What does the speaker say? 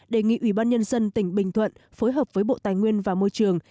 đề nghị ủy ban nhân dân tỉnh bình thuận phối hợp với bộ tài nguyên và môi trường